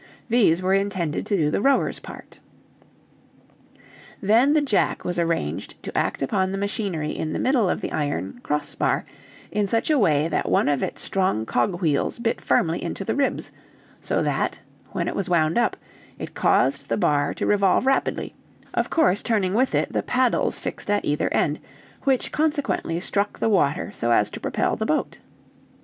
These were intended to do the rowers' part. Then the jack was arranged to act upon the machinery in the middle of the iron cross bar, in such a way that one of its strong cogwheels bit firmly into the ribs, so that, when it was wound up, it caused the bar to revolve rapidly, of course turning with the paddles fixed at either end, which consequently struck the water so as to propel the boat.